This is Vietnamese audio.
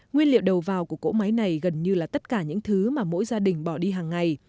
nguyên liệu đầu vào của cỗ máy này gần như là tất cả những thứ mà mỗi gia đình bỏ đi hàng ngày